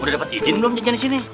udah dapet izin belum jajan disini